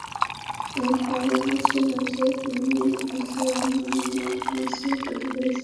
এর কারণও ছিল যে তিনি অসি ও মসির অধিকারী ছিলেন।